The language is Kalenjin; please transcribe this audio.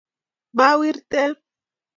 mawirten